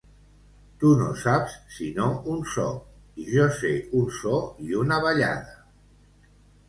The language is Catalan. Tu no saps sinó un so i jo sé un so i una ballada.